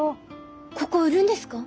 ここ売るんですか？